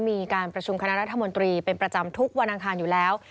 มีการประชุมคณะรัฐมนตรีเป็นประจำทุกวันอังคารอยู่แล้ว